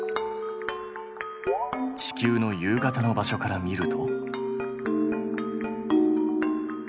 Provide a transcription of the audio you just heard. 地球の夕方の場所から見ると。